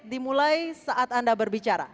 dimulai saat anda berbicara